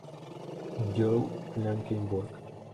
Jo Blankenburg.